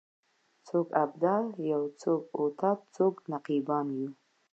څوک ابدال یو څوک اوتاد څوک نقیبان یو